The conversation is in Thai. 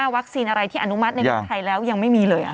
วัคซีนอะไรที่อนุมัติในปุษภาคมไทยแล้วยังไม่มีเลย